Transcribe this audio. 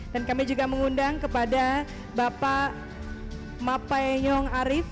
dan kami juga mengundang kepada bapak mapaenyong arief